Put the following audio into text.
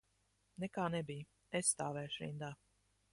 Nekā nebija, es stāvēšu rindā.